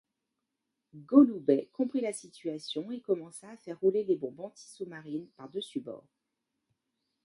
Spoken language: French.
Goloubets comprit la situation et commença à faire rouler les bombes anti-sous-marines par-dessus bord.